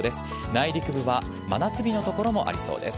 内陸部は真夏日の所もありそうです。